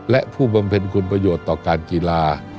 และผู้บำเพ็ญคุณประโยชน์ต่อการกีฬา